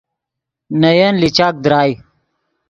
نے ین لیچاک درائے